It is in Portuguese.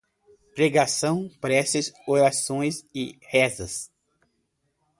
Pregação, preces, orações e rezas